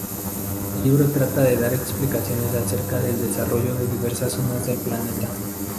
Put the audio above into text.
El libro trata de dar explicaciones acerca del desarrollo de diversas zonas del Planeta.